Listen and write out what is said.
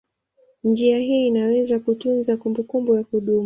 Njia hii inaweza kutunza kumbukumbu ya kudumu.